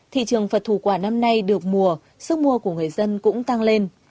thị trường phật thủ quả năm nay được mùa sức mua của người dân cũng tăng lên